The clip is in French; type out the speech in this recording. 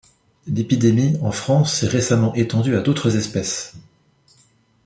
L'épidémie, en France s'est récemment étendue à d'autres espèces.